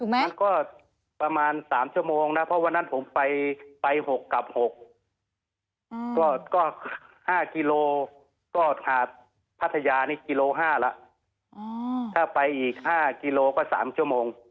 มันก็ประมาณ๓ชั่วโมงนะเพราะวันนั้นผมไป๖กับ๖ก็๕กิโลก็หาดพัทยานี่กิโล๕แล้วถ้าไปอีก๕กิโลก็๓ชั่วโมง